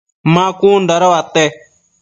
ma cun dada uate ?